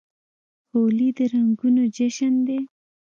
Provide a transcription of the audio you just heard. هولي د رنګونو جشن دی.